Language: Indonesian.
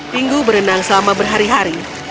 pinggu berenang selama berhari hari